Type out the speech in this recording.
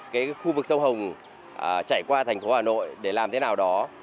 cái khu vực sông hồng chảy qua thành phố hà nội để làm thế nào đó